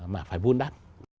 mà phải vun đắt